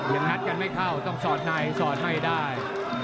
งัดกันไม่เข้าต้องสอดในสอดไม่ได้